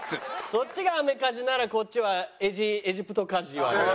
そっちがアメカジならこっちはエジプトカジュアル。